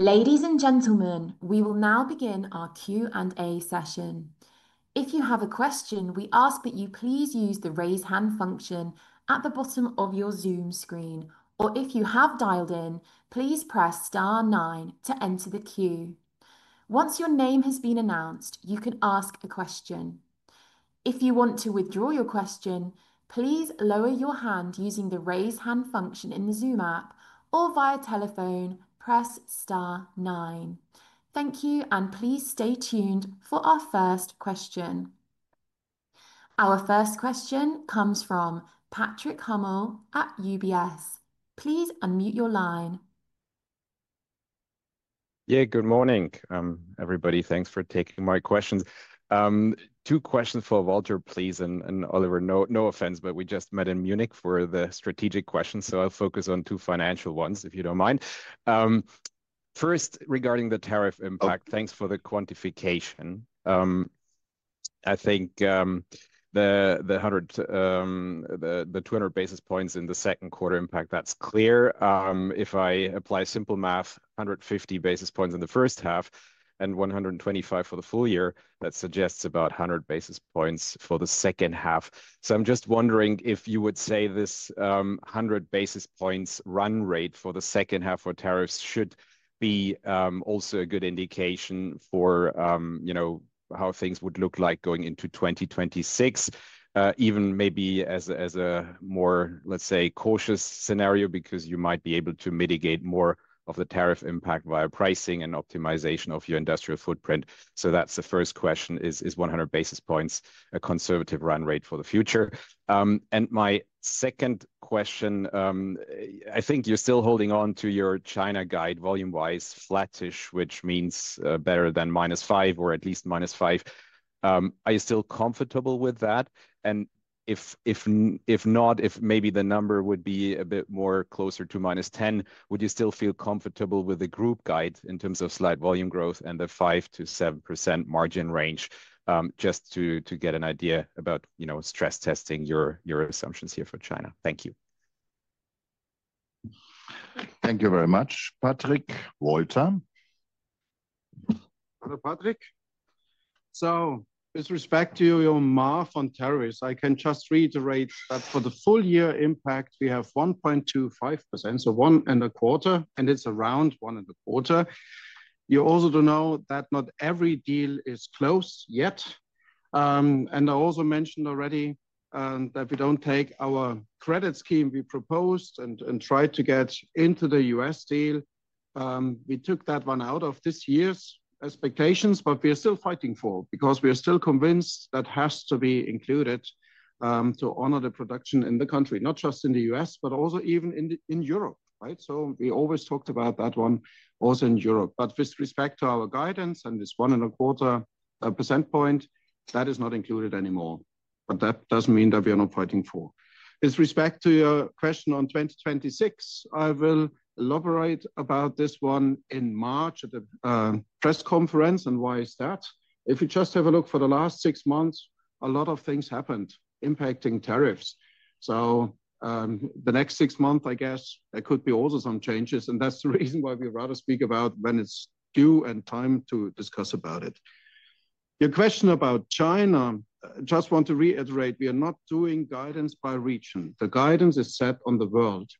Ladies and gentlemen, we will now begin our Q&A session. If you have a question, we ask that you please use the raise hand function at the bottom of your Zoom screen, or if you have dialed in, please press star nine to enter the queue. Once your name has been announced, you can ask a question. If you want to withdraw your question, please lower your hand using the raise hand function in the Zoom app, or via telephone, press star nine. Thank you, and please stay tuned for our first question. Our first question comes from Patrick Hummel at UBS. Please unmute your line. Yeah, good morning, everybody. Thanks for taking my questions. Two questions for Walter, please, and Oliver. No offense, but we just met in Munich for the strategic questions, so I'll focus on two financial ones, if you don't mind. First, regarding the tariff impact, thanks for the quantification. I think the 100, the 200 basis points in the second quarter impact, that's clear. If I apply simple math, 150 basis points in the first half and 125 for the full year, that suggests about 100 basis points for the second half. I'm just wondering if you would say this 100 basis points run rate for the second half for tariffs should be also a good indication for, you know, how things would look like going into 2026, even maybe as a, as a more, let's say, cautious scenario, because you might be able to mitigate more of the tariff impact via pricing and optimization of your industrial footprint. That's the first question: is 100 basis points a conservative run rate for the future? My second question, I think you're still holding on to your China guide volume-wise flattish, which means better than -5 or at least -5. Are you still comfortable with that? If not, if maybe the number would be a bit more closer to -10, would you still feel comfortable with the group guide in terms of slight volume growth and the 5-7% margin range, just to get an idea about, you know, stress testing your assumptions here for China? Thank you. Thank you very much, Patrick. Walter. Hello, Patrick. With respect to your math on tariffs, I can just reiterate that for the full year impact, we have 1.25%, so one and a quarter, and it's around one and a quarter. You also do know that not every deal is closed yet. I also mentioned already that we don't take our credit scheme we proposed and tried to get into the U.S. deal. We took that one out of this year's expectations, but we are still fighting for it because we are still convinced that has to be included to honor the production in the country, not just in the U.S., but also even in Europe, right? We always talked about that one also in Europe. With respect to our guidance and this 1.25% point, that is not included anymore. That doesn't mean that we are not fighting for it. With respect to your question on 2026, I will elaborate about this one in March at the press conference. Why is that? If you just have a look for the last six months, a lot of things happened impacting tariffs. The next six months, I guess there could be also some changes, and that's the reason why we rather speak about it when it's due and time to discuss about it. Your question about China, I just want to reiterate, we are not doing guidance by region. The guidance is set on the world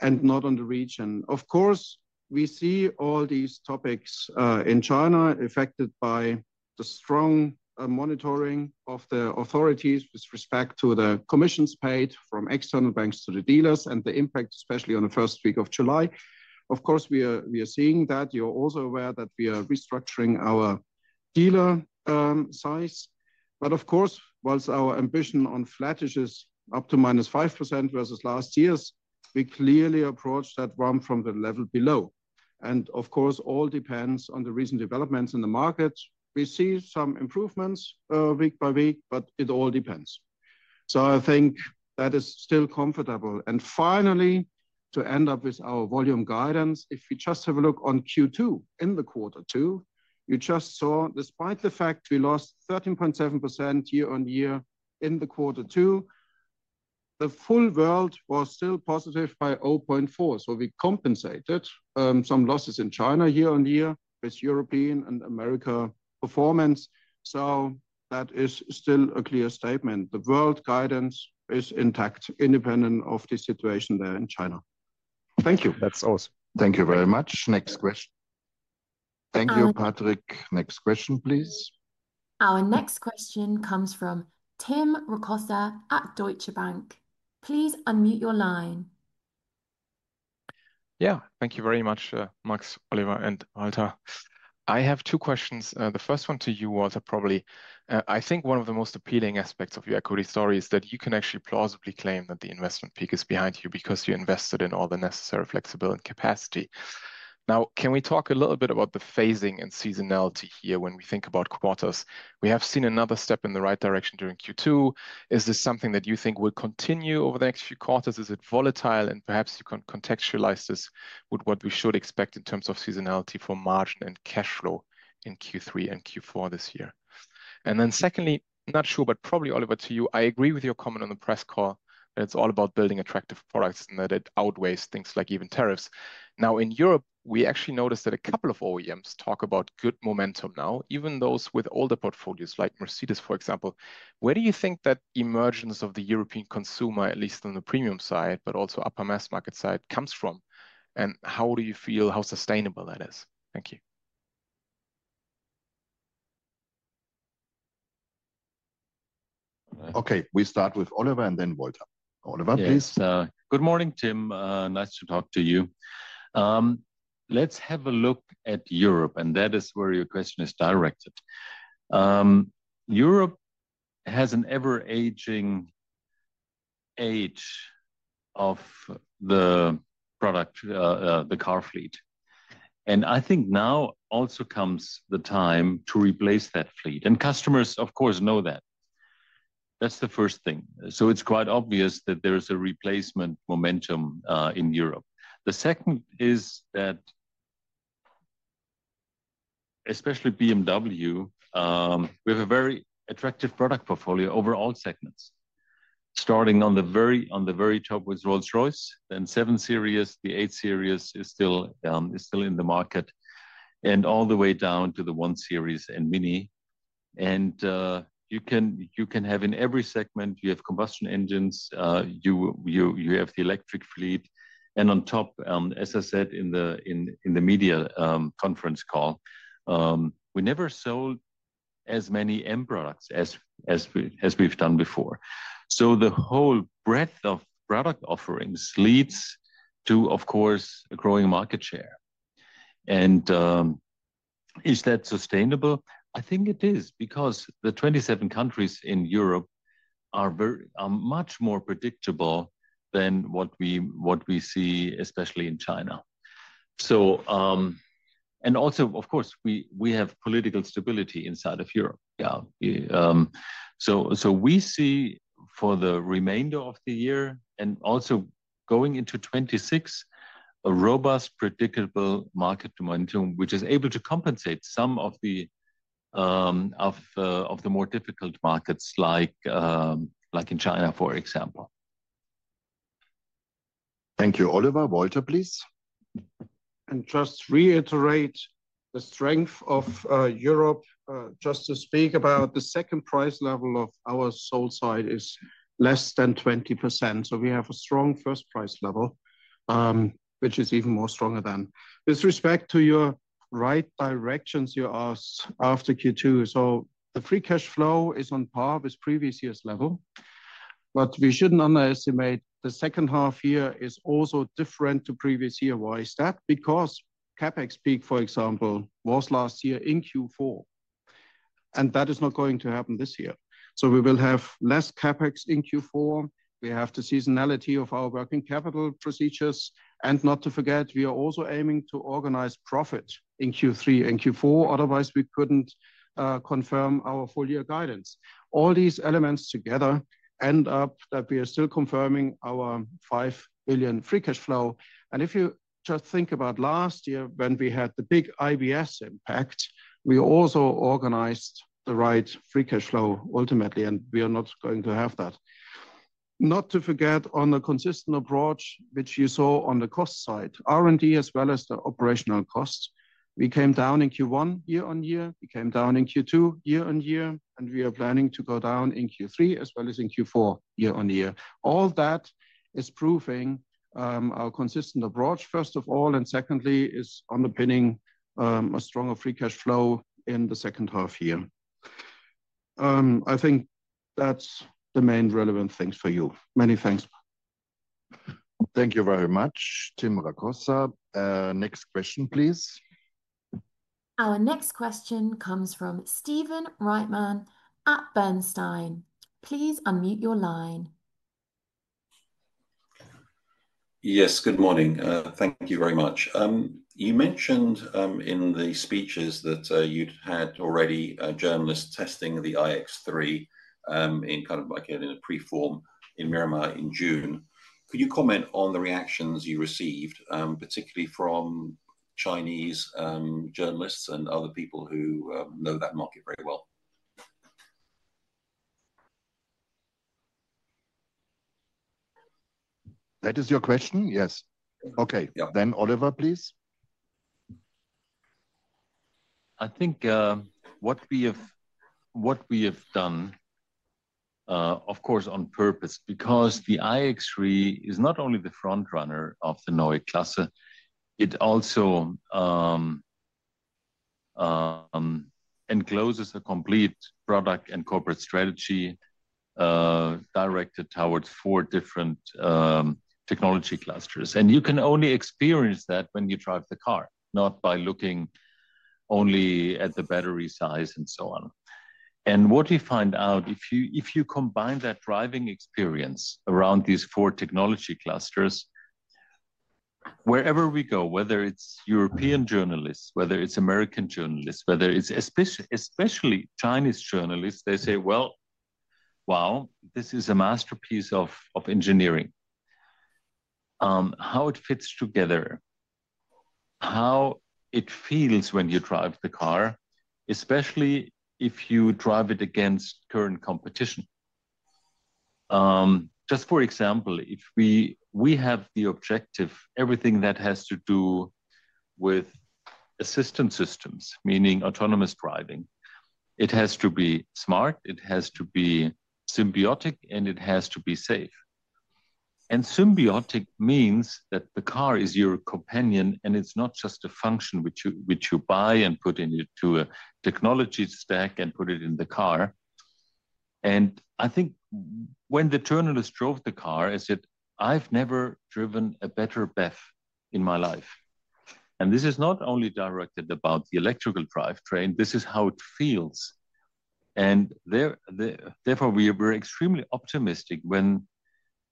and not on the region. Of course, we see all these topics in China affected by the strong monitoring of the authorities with respect to the commissions paid from external banks to the dealers and the impact, especially on the first week of July. Of course, we are seeing that. You are also aware that we are restructuring our dealer size. Of course, whilst our ambition on flattish is up to minus 5% versus last year's, we clearly approach that one from the level below. All depends on the recent developments in the market. We see some improvements week by week, but it all depends. I think that is still comfortable. Finally, to end up with our volume guidance, if we just have a look on Q2, in the quarter two, you just saw, despite the fact we lost 13.7% year on year in the quarter two, the full world was still positive by 0.4%. We compensated some losses in China year on year with European and America performance. That is still a clear statement. The world guidance is intact, independent of the situation there in China. Thank you. That's awesome. Thank you very much. Next question. Thank you, Patrick. Next question, please. Our next question comes from Tim Rokossa at Deutsche Bank. Please unmute your line. Yeah, thank you very much, Max, Oliver, and Walter. I have two questions. The first one to you, Walter, probably. I think one of the most appealing aspects of your equity story is that you can actually plausibly claim that the investment peak is behind you because you invested in all the necessary flexibility and capacity. Now, can we talk a little bit about the phasing and seasonality here when we think about quarters? We have seen another step in the right direction during Q2. Is this something that you think will continue over the next few quarters? Is it volatile? Perhaps you can contextualize this with what we should expect in terms of seasonality for margin and cash flow in Q3 and Q4 this year. Secondly, not sure, but probably Oliver, to you, I agree with your comment on the press call that it's all about building attractive products and that it outweighs things like even tariffs. In Europe, we actually noticed that a couple of OEMs talk about good momentum now, even those with older portfolios like Mercedes, for example. Where do you think that emergence of the European consumer, at least on the premium side, but also upper mass market side, comes from? How do you feel how sustainable that is? Thank you. Okay, we start with Oliver and then Walter. Oliver, please. Yes. Good morning, Tim. Nice to talk to you. Let's have a look at Europe, and that is where your question is directed. Europe has an ever-aging age of the product, the car fleet. I think now also comes the time to replace that fleet. Customers, of course, know that. That's the first thing. It's quite obvious that there is a replacement momentum in Europe. The second is that, especially BMW, we have a very attractive product portfolio over all segments, starting on the very top with Rolls-Royce, then 7 Series, the 8 Series is still in the market, and all the way down to the 1 Series and MINI. You can have in every segment, you have combustion engines, you have the electric fleet. On top, as I said in the media conference call, we never sold as many M products as we've done before. The whole breadth of product offerings leads to, of course, a growing market share. Is that sustainable? I think it is because the 27 countries in Europe are much more predictable than what we see, especially in China. Also, of course, we have political stability inside of Europe. We see for the remainder of the year and also going into 2026 a robust, predictable market momentum, which is able to compensate some of the more difficult markets like in China, for example. Thank you, Oliver. Walter, please. Just reiterate the strength of Europe, just to speak about the second price level of our sold side is less than 20%. We have a strong first price level, which is even more strong than with respect to your right directions you asked after Q2. The free cash flow is on par with previous year's level, but we shouldn't underestimate the second half here is also different to previous year. Why is that? CapEx peak, for example, was last year in Q4, and that is not going to happen this year. We will have less CapEx in Q4. We have the seasonality of our working capital procedures, and not to forget, we are also aiming to organize profit in Q3 and Q4. Otherwise, we couldn't confirm our full-year guidance. All these elements together end up that we are still confirming our $5 billion free cash flow. If you just think about last year, when we had the big IBS impact, we also organized the right free cash flow ultimately, and we are not going to have that. Not to forget on the consistent approach, which you saw on the cost side, R&D as well as the operational cost. We came down in Q1 year on year, we came down in Q2 year on year, and we are planning to go down in Q3 as well as in Q4 year on year. All that is proving our consistent approach, first of all, and secondly is underpinning a stronger free cash flow in the second half year. I think that's the main relevant things for you. Many thanks. Thank you very much, Tim Rokossa. Next question, please. Our next question comes from Stephen Reitman at Bernstein. Please unmute your line. Yes, good morning. Thank you very much. You mentioned in the speeches that you'd had already journalists testing the BMW iX3, in kind of like getting a pre-form in Miramar in June. Could you comment on the reactions you received, particularly from Chinese journalists and other people who know that market very well? That is your question? Yes. Okay. Yeah. Oliver, please. I think what we have, what we have done, of course, on purpose, because the BMW iX3 is not only the front runner of the Neue Klasse, it also encloses a complete product and corporate strategy, directed towards four different technology clusters. You can only experience that when you drive the car, not by looking only at the battery size and so on. What we find out, if you combine that driving experience around these four technology clusters, wherever we go, whether it's European journalists, whether it's American journalists, whether it's especially Chinese journalists, they say, wow, this is a masterpiece of engineering, how it fits together, how it feels when you drive the car, especially if you drive it against current competition. For example, we have the objective, everything that has to do with assistance systems, meaning autonomous driving, it has to be smart, it has to be symbiotic, and it has to be safe. Symbiotic means that the car is your companion, and it's not just a function which you buy and put into a technology stack and put it in the car. I think when the journalists drove the car, they said, I've never driven a better BEV in my life. This is not only directed about the electrical drivetrain. This is how it feels. Therefore, we are extremely optimistic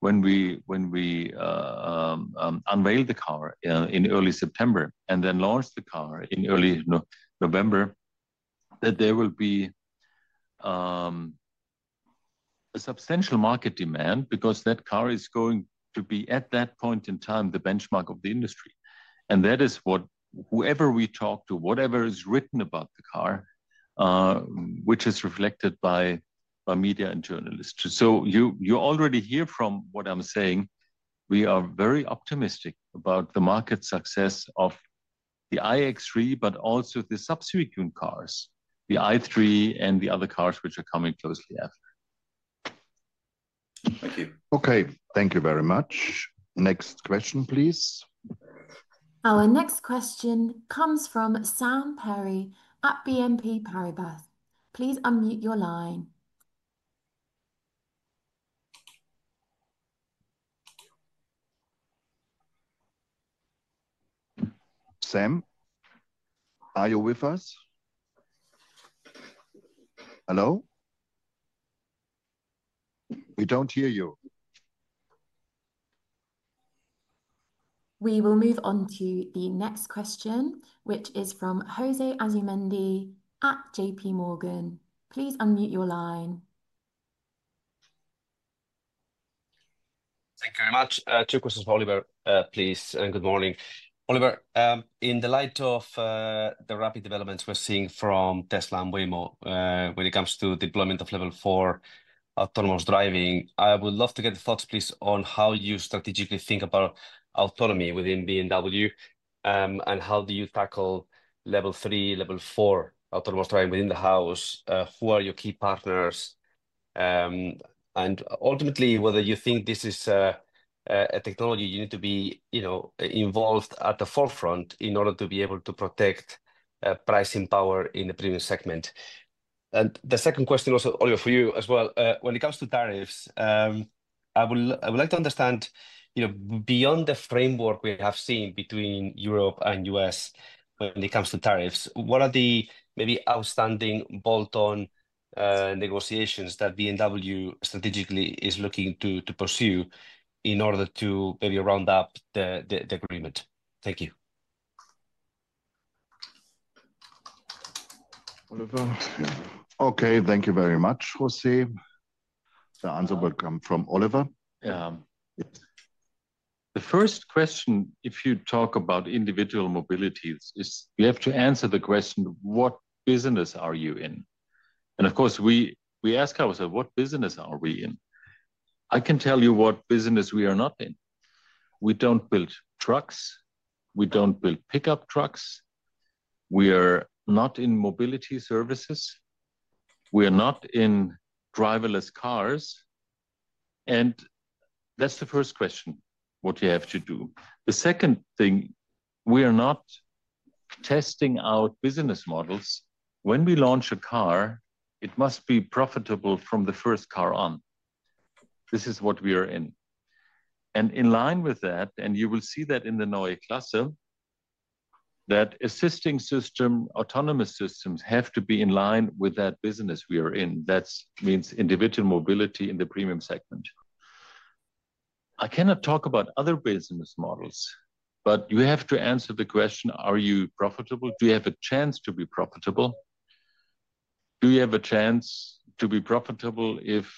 when we unveil the car in early September and then launch the car in early November, that there will be a substantial market demand because that car is going to be, at that point in time, the benchmark of the industry. That is what, whoever we talk to, whatever is written about the car, which is reflected by media and journalists. You already hear from what I'm saying, we are very optimistic about the market success of the BMW iX3, but also the subsequent cars, the BMW i3 and the other cars which are coming closely after. Okay. Thank you very much. Next question, please. Our next question comes from Sam Perry at BNP Paribas. Please unmute your line. Sam, are you with us? Hello? We don't hear you. We will move on to the next question, which is from Jose Asumendi at J.P. Morgan. Please unmute your line. Thank you very much. Two questions for Oliver, please. Good morning, Oliver. In the light of the rapid developments we're seeing from Tesla and Waymo when it comes to deployment of level four autonomous driving, I would love to get the thoughts, please, on how you strategically think about autonomy within BMW, and how do you tackle level three, level four autonomous driving within the house? Who are your key partners? Ultimately, whether you think this is a technology you need to be involved at the forefront in order to be able to protect pricing power in the premium segment. The second question also, Oliver, for you as well, when it comes to tariffs, I would like to understand, beyond the framework we have seen between Europe and the U.S. when it comes to tariffs, what are the maybe outstanding bolt-on negotiations that BMW strategically is looking to pursue in order to maybe round up the agreement? Thank you. Oliver. Okay. Thank you very much, Jose. The answer will come from Oliver. Yeah. The first question, if you talk about individual mobilities, is you have to answer the question, what business are you in? Of course, we ask ourselves, what business are we in? I can tell you what business we are not in. We don't build trucks. We don't build pickup trucks. We are not in mobility services. We are not in driverless cars. That's the first question, what you have to do. The second thing, we are not testing out business models. When we launch a car, it must be profitable from the first car on. This is what we are in. In line with that, and you will see that in the Neue Klasse, that assisting system, autonomous systems have to be in line with that business we are in. That means individual mobility in the premium segment. I cannot talk about other business models, but you have to answer the question, are you profitable? Do you have a chance to be profitable? Do you have a chance to be profitable if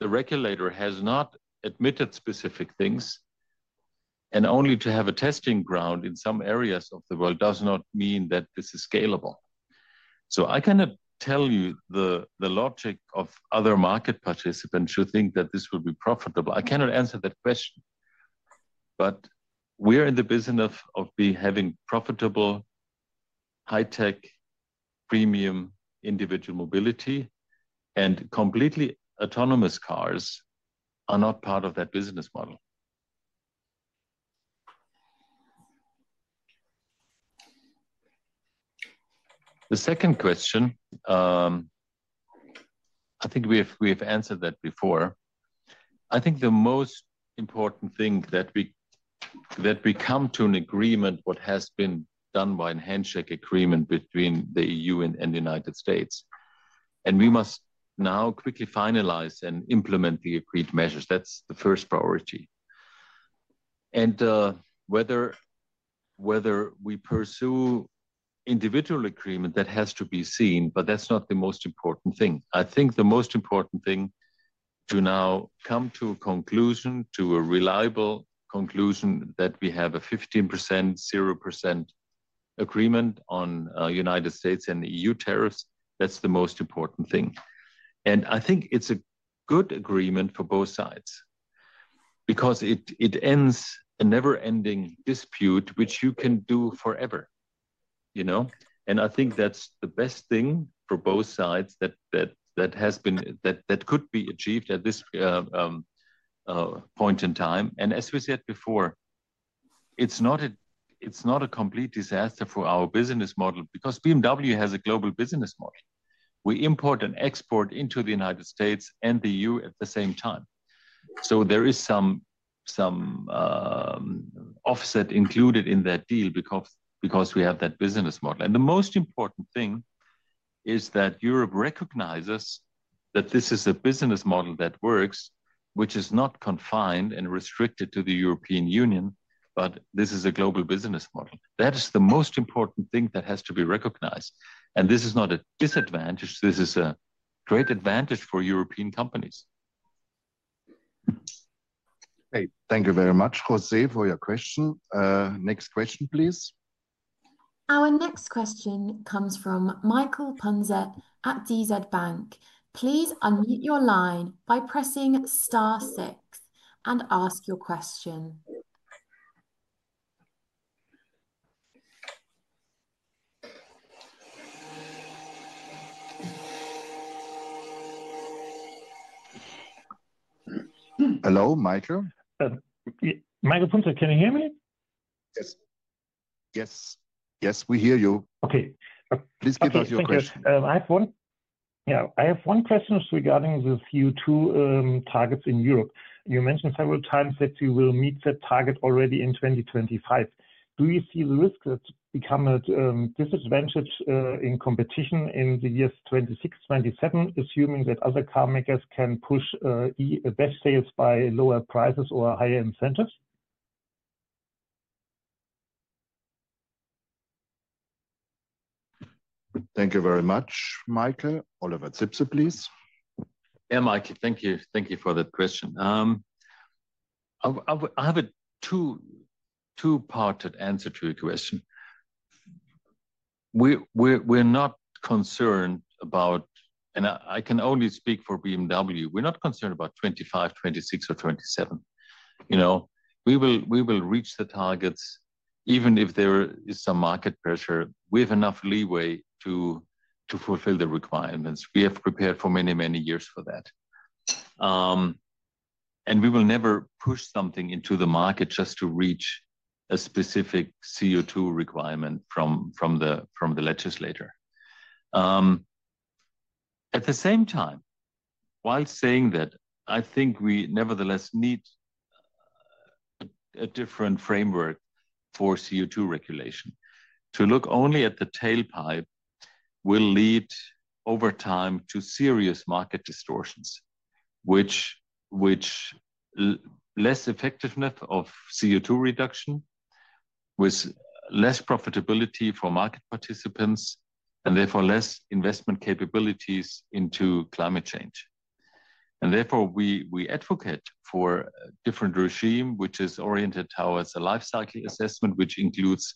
the regulator has not admitted specific things? Only to have a testing ground in some areas of the world does not mean that this is scalable. I cannot tell you the logic of other market participants who think that this will be profitable. I cannot answer that question. We are in the business of having profitable, high tech, premium individual mobility, and completely autonomous cars are not part of that business model. The second question, I think we have answered that before. I think the most important thing is that we come to an agreement, what has been done by a handshake agreement between the EU and the United States. We must now quickly finalize and implement the agreed measures. That's the first priority. Whether we pursue individual agreement, that has to be seen, but that's not the most important thing. I think the most important thing is to now come to a conclusion, to a reliable conclusion that we have a 15%, 0% agreement on United States and EU tariffs, that's the most important thing. I think it's a good agreement for both sides because it ends a never-ending dispute, which you can do forever, you know? I think that's the best thing for both sides that could be achieved at this point in time. As we said before, it's not a complete disaster for our business model because BMW Group has a global business model. We import and export into the United States and the EU at the same time. There is some offset included in that deal because we have that business model. The most important thing is that Europe recognizes that this is a business model that works, which is not confined and restricted to the European Union, but this is a global business model. That is the most important thing that has to be recognized. This is not a disadvantage. This is a great advantage for European companies. Thank you very much, Jose, for your question. Next question, please. Our next question comes from Michael Punzet at DZ Bank. Please unmute your line by pressing star six and ask your question. Hello, Michael. Michael Punzet, can you hear me? Yes. Yes. Yes, we hear you. Okay. Please give us your question. I have one question regarding the CO2 targets in Europe. You mentioned several times that you will meet that target already in 2025. Do you see the risk that becomes a disadvantage in competition in the years 2026, 2027, assuming that other carmakers can push EV sales by lower prices or higher incentives? Thank you very much, Michael. Oliver Zipse, please. Yeah, Michael, thank you. Thank you for that question. I have a two-parted answer to your question. We're not concerned about 2025, 2026, or 2027. We will reach the targets even if there is some market pressure. We have enough leeway to fulfill the requirements. We have prepared for many, many years for that, and we will never push something into the market just to reach a specific CO2 requirement from the legislature. At the same time, while saying that, I think we nevertheless need a different framework for CO2 regulation. To look only at the tailpipe will lead over time to serious market distortions, which means less effectiveness of CO2 reduction, with less profitability for market participants, and therefore less investment capabilities into climate change. Therefore, we advocate for a different regime, which is oriented towards a lifecycle assessment, which includes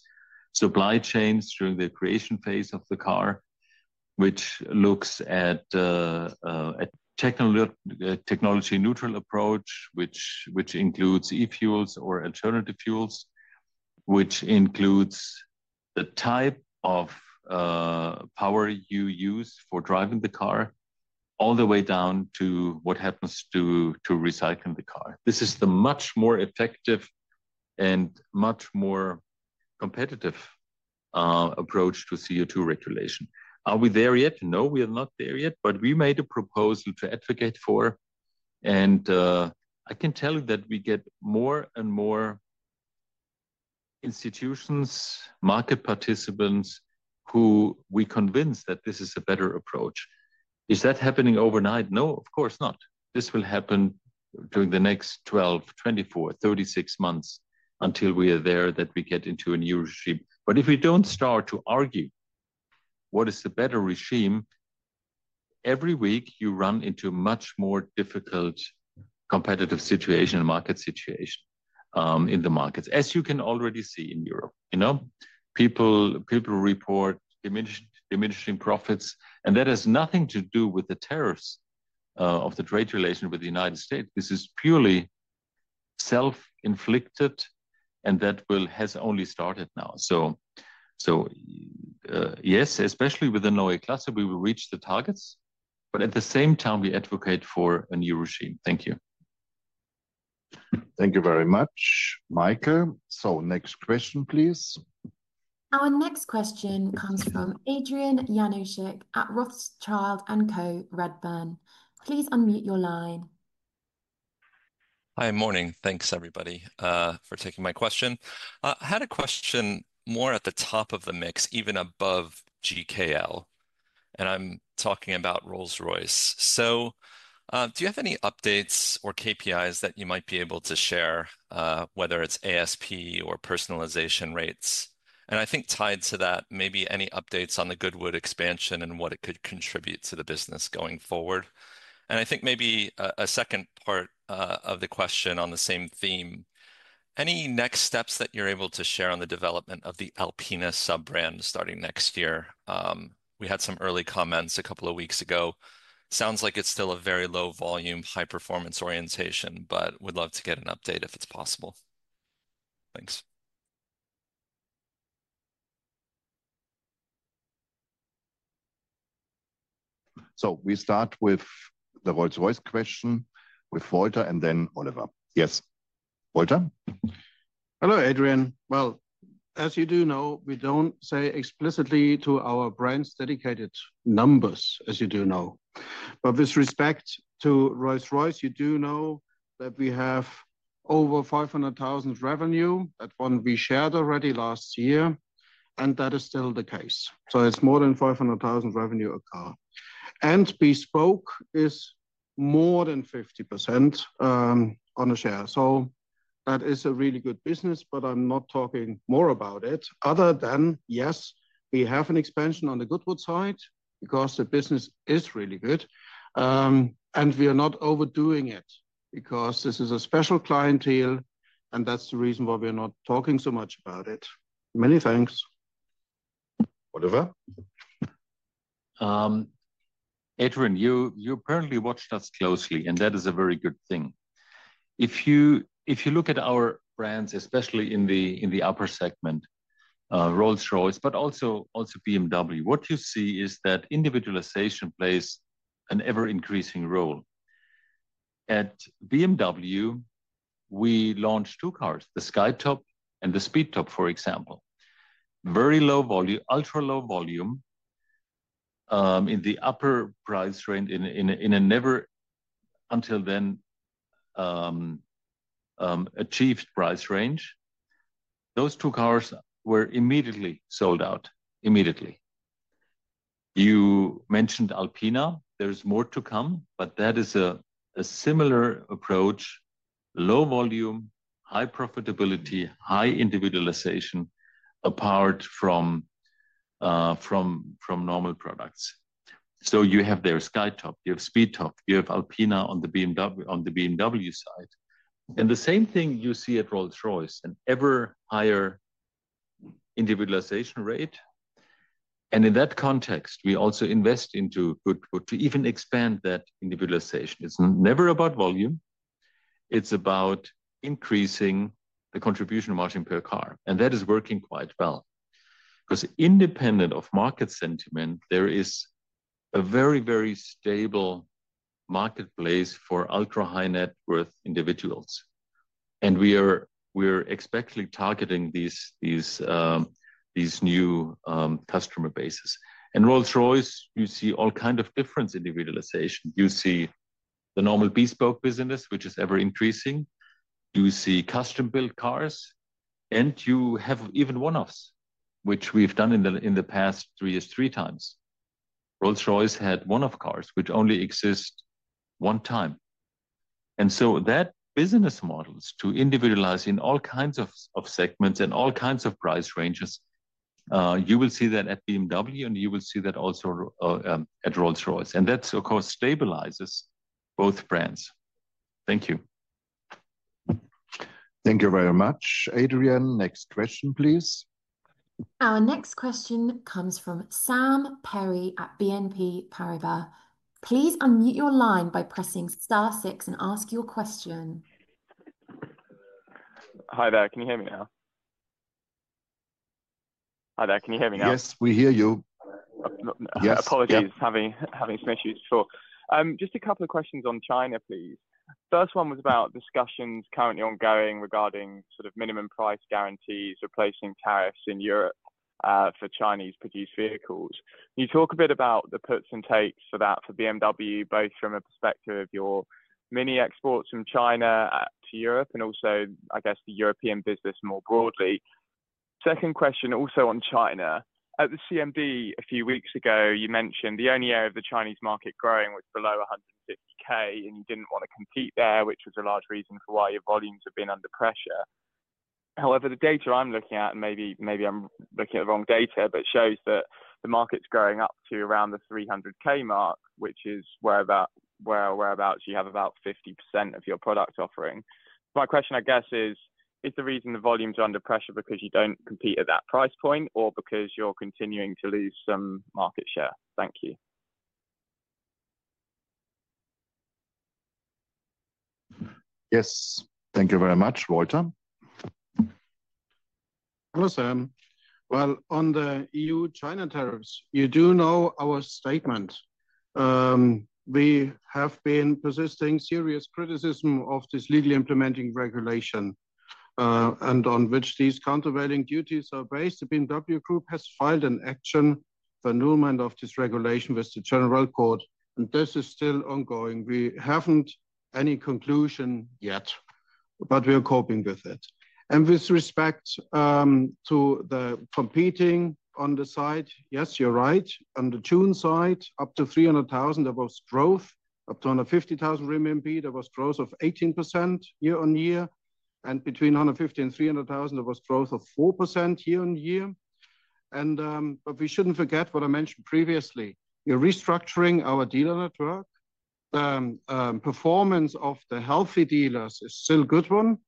supply chains during the creation phase of the car, which looks at a technology-neutral approach, which includes e-fuels or alternative fuels, which includes the type of power you use for driving the car all the way down to what happens to recycling the car. This is the much more effective and much more competitive approach to CO2 regulation. Are we there yet? No, we are not there yet, but we made a proposal to advocate for. I can tell you that we get more and more institutions, market participants who we convince that this is a better approach. Is that happening overnight? No, of course not. This will happen during the next 12, 24, 36 months until we are there that we get into a new regime. If we don't start to argue what is the better regime, every week you run into a much more difficult competitive situation and market situation in the markets, as you can already see in Europe, you know? People report diminishing profits, and that has nothing to do with the tariffs or the trade relation with the United States. This is purely self-inflicted, and that has only started now. Yes, especially with the Neue Klasse, we will reach the targets, but at the same time, we advocate for a new regime. Thank you. Thank you very much, Michael. Next question, please. Our next question comes from Adrian Yanoshik at Rothschild & Co Redburn. Please unmute your line. Hi, morning. Thanks, everybody, for taking my question. I had a question more at the top of the mix, even above GKL, and I'm talking about Rolls-Royce. Do you have any updates or KPIs that you might be able to share, whether it's ASP or personalization rates? I think tied to that, maybe any updates on the Goodwood expansion and what it could contribute to the business going forward. I think maybe a second part of the question on the same theme, any next steps that you're able to share on the development of the Alpina sub-brand starting next year? We had some early comments a couple of weeks ago. Sounds like it's still a very low volume, high performance orientation, but would love to get an update if it's possible. Thanks. We start with the Rolls-Royce question with Walter and then Oliver. Yes, Walter? Hello, Adrian. As you do know, we don't say explicitly to our brands dedicated numbers, as you do know. With respect to Rolls-Royce, you do know that we have over $500,000 revenue at one we shared already last year, and that is still the case. It's more than $500,000 revenue a car. Bespoke is more than 50% on a share. That is a really good business, but I'm not talking more about it other than, yes, we have an expansion on the Goodwood side because the business is really good. We are not overdoing it because this is a special clientele, and that's the reason why we are not talking so much about it. Many thanks. Oliver? Adrian, you apparently watched us closely, and that is a very good thing. If you look at our brands, especially in the upper segment, Rolls-Royce, but also BMW, what you see is that individualization plays an ever-increasing role. At BMW, we launched two cars, the Sky Top and the Speed Top, for example. Very low volume, ultra low volume, in the upper price range, in a never until then achieved price range. Those two cars were immediately sold out, immediately. You mentioned Alpina. There's more to come, but that is a similar approach. Low volume, high profitability, high individualization, apart from normal products. So you have there Sky Top, you have Speed Top, you have Alpina on the BMW side. The same thing you see at Rolls-Royce, an ever higher individualization rate. In that context, we also invest into Goodwood to even expand that individualization. It's never about volume. It's about increasing the contribution of margin per car. That is working quite well because independent of market sentiment, there is a very, very stable marketplace for ultra high net worth individuals. We are expecting targeting these new customer bases. At Rolls-Royce, you see all kinds of different individualization. You see the normal bespoke business, which is ever increasing. You see custom-built cars, and you have even one-offs, which we've done in the past three years, three times. Rolls-Royce had one-off cars, which only exist one time. That business model is to individualize in all kinds of segments and all kinds of price ranges. You will see that at BMW, and you will see that also at Rolls-Royce. That, of course, stabilizes both brands. Thank you. Thank you very much, Adrian. Next question, please. Our next question comes from Sam Perry at BNP Paribas. Please unmute your line by pressing star six and ask your question. Hi there. Can you hear me now? Yes, we hear you. Yeah. Apologies. Just a couple of questions on China, please. First one was about discussions currently ongoing regarding sort of minimum price guarantees replacing tariffs in Europe for Chinese produced vehicles. Can you talk a bit about the perks and takes for that for BMW, both from a perspective of your MINI exports from China to Europe and also, I guess, the European business more broadly? Second question also on China. At the CMB a few weeks ago, you mentioned the only area of the Chinese market growing was below $150,000, and you didn't wanna compete there, which was a large reason for why your volumes have been under pressure. However, the data I'm looking at, and maybe I'm looking at the wrong data, but it shows that the market's growing up to around the $300,000 mark, which is where about, whereabouts you have about 50% of your product offering. My question, I guess, is, is the reason the volumes are under pressure because you don't compete at that price point or because you are continuing to lose some market share? Thank you. Yes, thank you very much, Walter. Hello, Sam. On the EU-China tariffs, you do know our statement. We have been persisting serious criticism of this legally implementing regulation, on which these countervailing duties are based. The BMW Group has filed an action for annulment of this regulation with the General Court, and this is still ongoing. We haven't any conclusion yet, but we are coping with it. With respect to the competing on the side, yes, you're right. On the tune side, up to 300,000, there was growth. Up to 150,000 RMB, there was growth of 18% year on year. Between 150,000 and 300,000, there was growth of 4% year on year. We shouldn't forget what I mentioned previously. You're restructuring our dealer network. Performance of the healthy dealers is still a good one,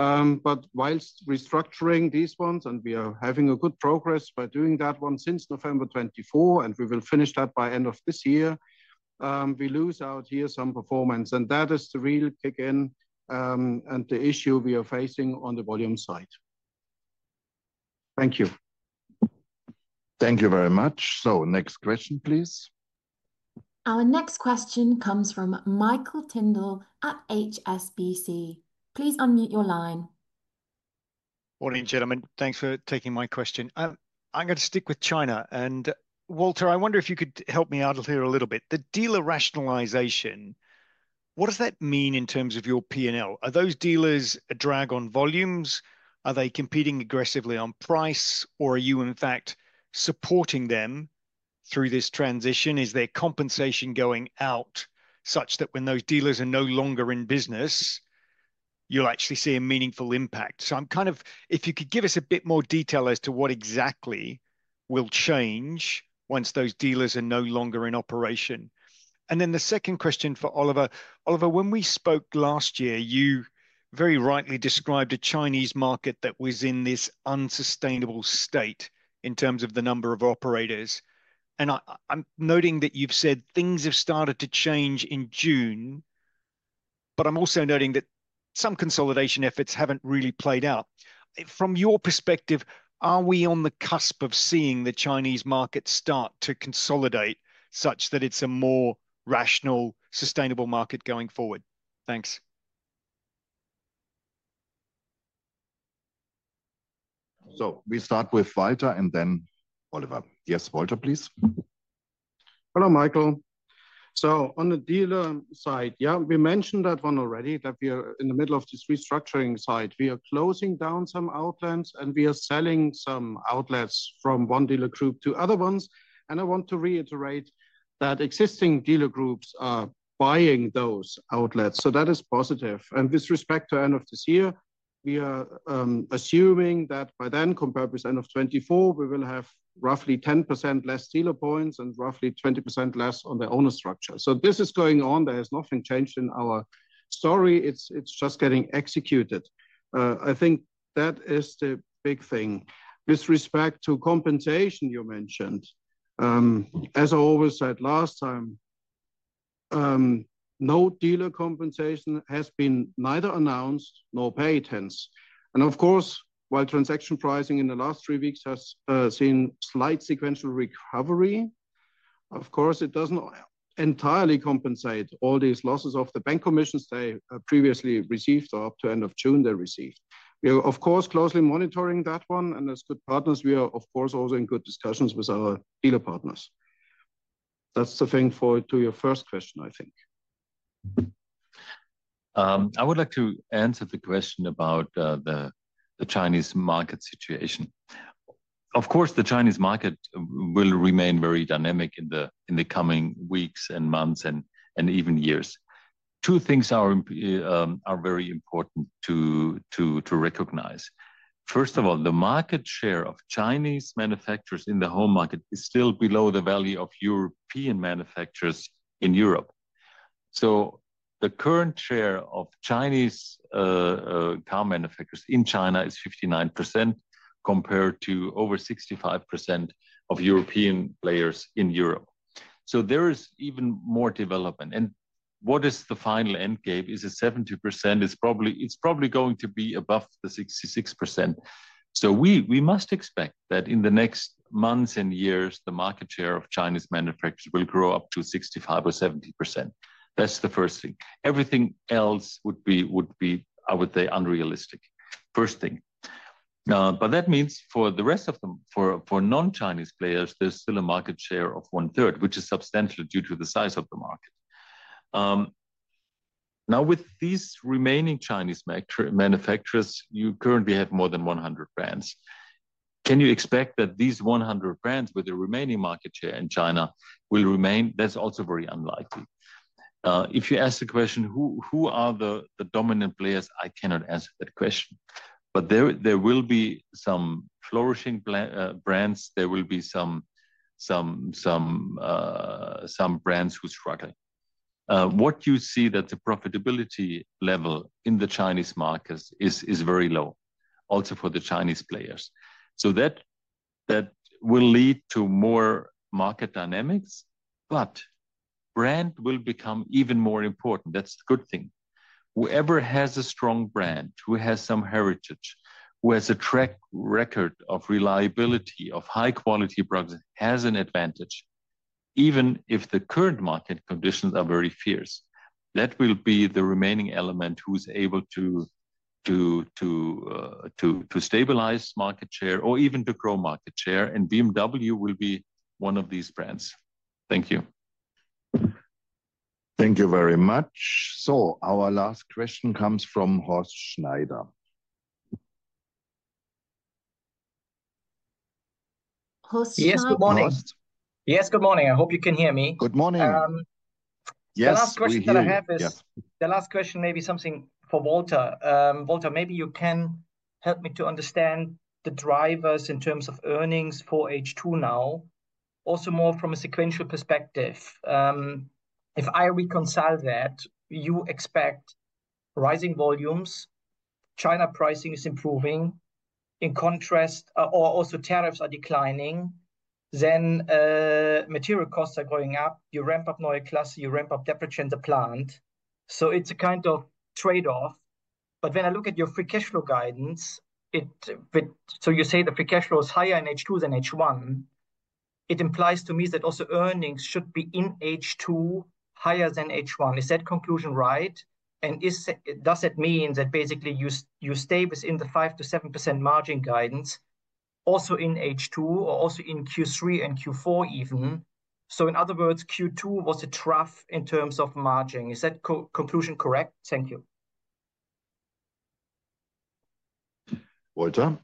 but whilst restructuring these ones, and we are having good progress by doing that one since November 2024, and we will finish that by the end of this year, we lose out here some performance. That is the real kick in, and the issue we are facing on the volume side. Thank you. Thank you very much. Next question, please. Our next question comes from Michael Tyndall at HSBC. Please unmute your line. Morning, gentlemen. Thanks for taking my question. I'm going to stick with China. Walter, I wonder if you could help me out here a little bit. The dealer network rationalization, what does that mean in terms of your P&L? Are those dealers a drag on volumes? Are they competing aggressively on price, or are you, in fact, supporting them through this transition? Is their compensation going out such that when those dealers are no longer in business, you'll actually see a meaningful impact? If you could give us a bit more detail as to what exactly will change once those dealers are no longer in operation. The second question for Oliver. Oliver, when we spoke last year, you very rightly described a Chinese market that was in this unsustainable state in terms of the number of operators. I'm noting that you've said things have started to change in June, but I'm also noting that some consolidation efforts haven't really played out. From your perspective, are we on the cusp of seeing the Chinese market start to consolidate such that it's a more rational, sustainable market going forward? Thanks. We start with Walter and then. Oliver. Yes, Walter, please. Hello, Michael. On the dealer side, we mentioned that one already, that we are in the middle of this restructuring side. We are closing down some outlets, and we are selling some outlets from one dealer group to other ones. I want to reiterate that existing dealer groups are buying those outlets, so that is positive. With respect to the end of this year, we are assuming that by then, compared with the end of 2024, we will have roughly 10% less dealer points and roughly 20% less on the owner structure. This is going on. There is nothing changed in our story. It's just getting executed. I think that is the big thing. With respect to compensation you mentioned, as I always said last time, no dealer compensation has been neither announced nor paid hence. Of course, while transaction pricing in the last three weeks has seen slight sequential recovery, it doesn't entirely compensate all these losses of the dealer commissions they previously received or up to the end of June they received. We are, of course, closely monitoring that one. As good partners, we are also in good discussions with our dealer partners. That's the thing for your first question, I think. I would like to answer the question about the Chinese market situation. Of course, the Chinese market will remain very dynamic in the coming weeks and months and even years. Two things are very important to recognize. First of all, the market share of Chinese manufacturers in the home market is still below the value of European manufacturers in Europe. The current share of Chinese car manufacturers in China is 59% compared to over 65% of European players in Europe. There is even more development. What is the final end game? It is probably going to be above 66%. We must expect that in the next months and years, the market share of Chinese manufacturers will grow up to 65% or 70%. That's the first thing. Everything else would be, I would say, unrealistic. That means for the rest of them, for non-Chinese players, there's still a market share of one third, which is substantial due to the size of the market. Now, with these remaining Chinese manufacturers, you currently have more than 100 brands. Can you expect that these 100 brands with the remaining market share in China will remain? That is also very unlikely. If you ask the question, who are the dominant players, I cannot answer that question. There will be some flourishing brands. There will be some brands who struggle. What you see is that profitability level in the Chinese market is very low also for the Chinese players. That will lead to more market dynamics. Brand will become even more important. That's a good thing. Whoever has a strong brand, who has some heritage, who has a track record of reliability, of high quality products, has an advantage, even if the current market conditions are very fierce. That will be the remaining element who is able to stabilize market share or even to grow market share. BMW will be one of these brands. Thank you. Thank you very much. Our last question comes from Horst Schneider. Horst Schneider. Yes, good morning. Yes, good morning. I hope you can hear me. Good morning. yes. The last question that I have is the last question, maybe something for Walter. Walter, maybe you can help me to understand the drivers in terms of earnings for H2 now, also more from a sequential perspective. If I reconcile that, you expect rising volumes, China pricing is improving in contrast, or also tariffs are declining, then material costs are going up. You ramp up oil class, you ramp up, deprehend the plant. It is a kind of trade-off. When I look at your free cash flow guidance, you say the free cash flow is higher in H2 than H1. It implies to me that also earnings should be in H2 higher than H1. Is that conclusion right? Does that mean that basically you stay within the 5% to 7% margin guidance also in H2 or also in Q3 and Q4 even? In other words, Q2 was a trough in terms of margin. Is that conclusion correct? Thank you. Walter.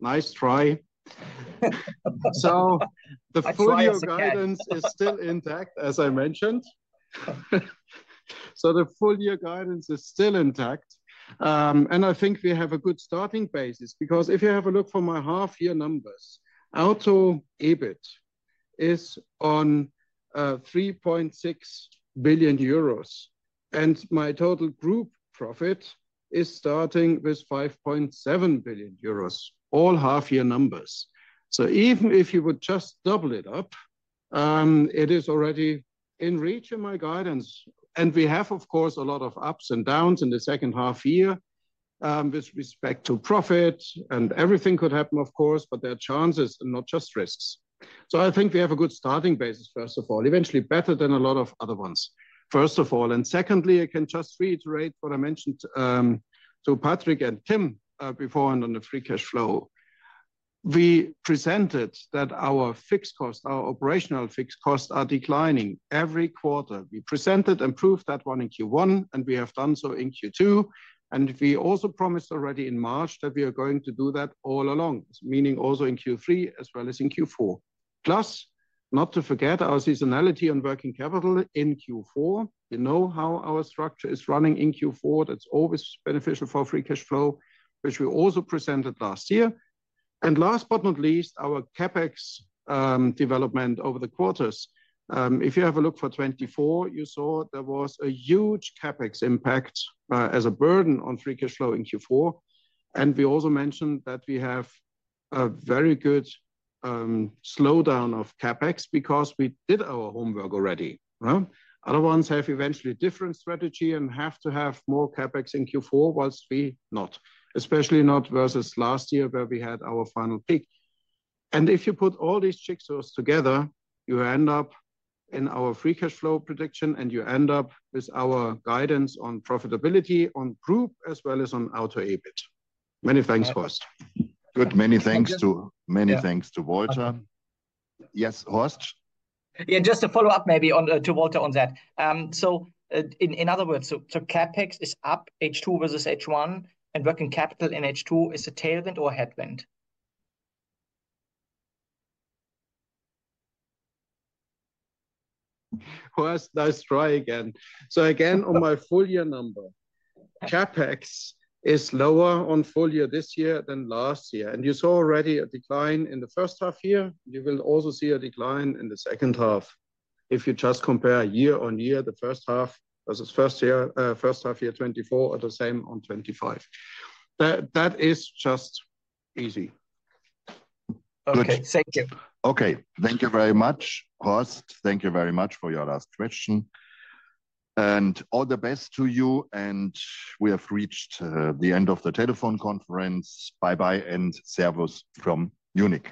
Nice try. The full-year guidance is still intact, as I mentioned. The full-year guidance is still intact. I think we have a good starting basis because if you have a look at my half-year numbers, Auto EBIT is at 3.6 billion euros, and my total group profit is starting with 5.7 billion euros, all half-year numbers. Even if you would just double it up, it is already in reach of my guidance. We have, of course, a lot of ups and downs in the second half-year with respect to profit and everything could happen, of course, but there are chances and not just risks. I think we have a good starting basis, first of all, eventually better than a lot of other ones, first of all. Secondly, I can just reiterate what I mentioned to Patrick and Tim beforehand on the free cash flow. We presented that our fixed costs, our operational fixed costs, are declining every quarter. We presented and proved that one in Q1, and we have done so in Q2. We also promised already in March that we are going to do that all along, meaning also in Q3 as well as in Q4. Plus, not to forget our seasonality on working capital in Q4. You know how our structure is running in Q4. That's always beneficial for free cash flow, which we also presented last year. Last but not least, our CapEx development over the quarters. If you have a look at 2024, you saw there was a huge CapEx impact as a burden on free cash flow in Q4. We also mentioned that we have a very good slowdown of CapEx because we did our homework already, right? Other ones have eventually different strategy and have to have more CapEx in Q4 whilst we not, especially not versus last year where we had our final peak. If you put all these checks together, you end up in our free cash flow prediction and you end up with our guidance on profitability on group as well as on Auto EBIT. Many thanks, Horst. Good. Many thanks to Walter. Yes, Horst. Yeah, just to follow up maybe on, to Walter on that. In other words, CapEx is up H2 versus H1, and working capital in H2 is the tailwind or headwind? Horst, nice try again. On my full-year number, CapEx is lower on full year this year than last year. You saw already a decline in the first half year. You will also see a decline in the second half if you just compare year on year, the first half versus first half year 2024 or the same on 2025. That is just easy. Okay, thank you. Okay. Thank you very much, Horst. Thank you very much for your last question. All the best to you. We have reached the end of the telephone conference. Bye-bye and servus from Munich.